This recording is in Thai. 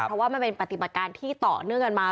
เพราะว่ามันเป็นปฏิบัติการที่ต่อเนื่องกันมา